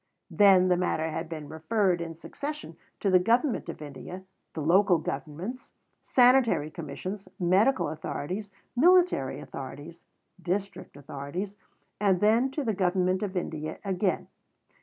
Then the matter had been referred in succession to the Government of India, the local governments, sanitary commissions, medical authorities, military authorities, district authorities, and then to the Government of India again.